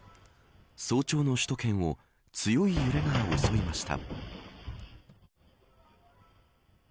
早朝の首都圏を強い揺れが襲いました。